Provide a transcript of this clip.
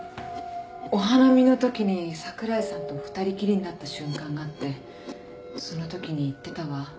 お花見のときに櫻井さんと２人きりになった瞬間があってそのときに言ってたわ。